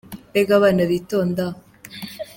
Mbega abana bitonda!